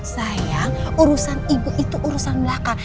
sayang urusan ibu itu urusan belaka